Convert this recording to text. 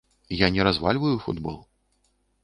Я не развальваю футбол.